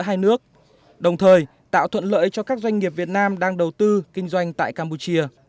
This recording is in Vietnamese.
hai nước đồng thời tạo thuận lợi cho các doanh nghiệp việt nam đang đầu tư kinh doanh tại campuchia